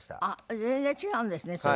あっ全然違うんですね